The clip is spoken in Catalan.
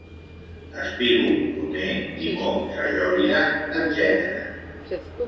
Espígol, romer, timó, sajolida, etc.